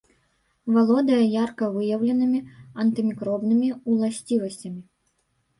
Валодае ярка выяўленымі антымікробнымі ўласцівасцямі.